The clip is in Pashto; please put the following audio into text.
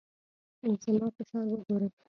زما فشار وګورئ.